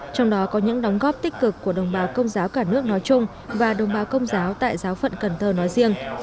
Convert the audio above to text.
trong đó có những đóng góp tích cực của đồng bào công giáo cả nước nói chung và đồng bào công giáo tại giáo phận cần thơ nói riêng